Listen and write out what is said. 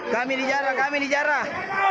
kami dijarah kami dijarah